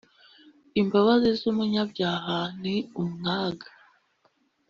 imbabazi z’umunyabyaha ni umwaga